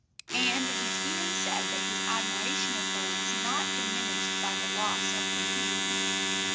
And it is even said that his admiration of her was not diminished by the loss of her beauty.